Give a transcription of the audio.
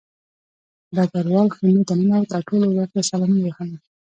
ډګروال خیمې ته ننوت او ټولو ورته سلامي ووهله